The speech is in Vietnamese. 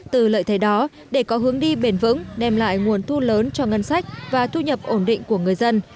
từ lợi thế đó để có hướng đi bền vững đem lại nguồn thu lớn cho ngân sách và thu nhập ổn định của người dân